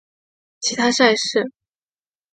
其他赛事